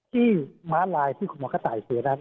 ที่มาลายที่คุณหมอกระต่ายสื่อดัง